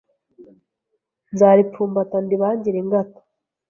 Nzaripfumbata ndibangire ingata